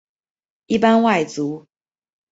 一般外族。